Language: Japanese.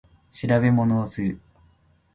調べ物をする